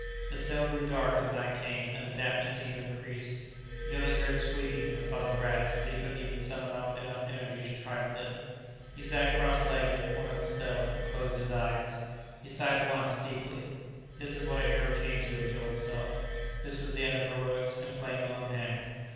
The cell grew dark as night came, and the dampness seemed to increase. Jonas heard squeaking and thought of the rats, but he couldn't even summon up enough energy to try for them. He sat crosslegged in a corner of the cell and closed his eyes. He sighed once, deeply. This was what a hero came to, he told himself. This was the end of heroics and playing a lone hand.